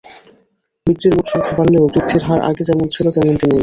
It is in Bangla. বিক্রির মোট সংখ্যা বাড়লেও বৃদ্ধির হার আগে যেমন ছিল, তেমনটি নেই।